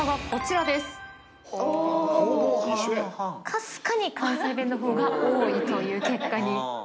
かすかに関西弁の方が多いという結果に。